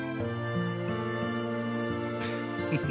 フッフフ。